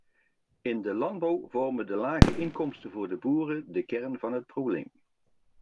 In de landbouw vormen de lage inkomsten voor boeren de kern van het probleem.